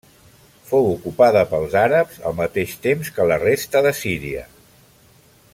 Fou ocupada pels àrabs al mateix temps que la resta de Síria.